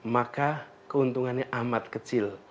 maka keuntungannya amat kecil